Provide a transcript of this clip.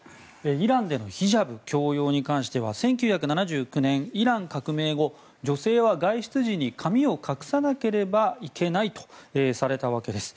イランでのヒジャブ強要に関しては１９７９年、イラン革命後女性は外出時に髪を隠さなければいけないとされたわけです。